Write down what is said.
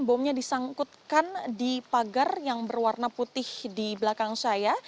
bomnya disangkutkan di pagar yang berwarna putih di belakang saya